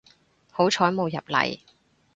好彩冇入嚟